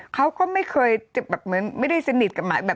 เขาก็ไม่เคยจะแบบเหมือนไม่ได้สนิทกับหมายแบบ